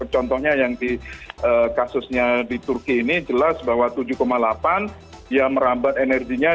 contohnya yang di kasusnya di turki ini jelas bahwa tujuh delapan dia merambat energinya